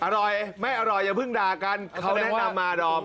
อร่อยไม่อร่อยอย่าเพิ่งด่ากันเขาแนะนำมาดอม